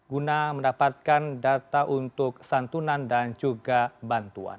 guna mendapatkan data untuk santunan dan juga bantuan